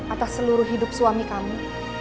atas seluruh hidup suami kami